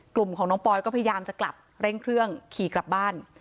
กลุ่มของน้องปอยก็พยายามจะกลับเร่งเครื่องขี่กลับบ้าน